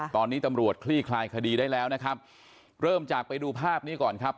ตอนนี้ตำรวจคลี่คลายคดีได้แล้วนะครับเริ่มจากไปดูภาพนี้ก่อนครับ